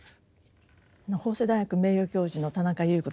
法政大学名誉教授の田中優子でございます。